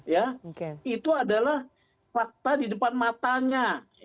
ya itu adalah fakta di depan matanya